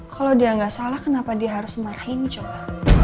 kalau dia nggak salah kenapa dia harus marahin coba